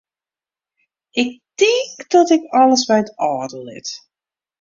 Ik tink dat ik alles by it âlde lit.